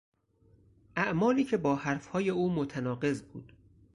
اعمالی که با حرفهای او متناقض بود